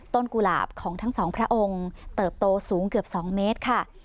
กุหลาบของทั้งสองพระองค์เติบโตสูงเกือบ๒เมตรค่ะ